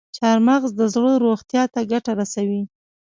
چارمغز د زړه روغتیا ته ګټه رسوي.